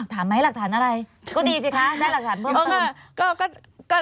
ถามไหมหลักฐานอะไรก็ดีสิคะได้หลักฐานเพิ่มขึ้น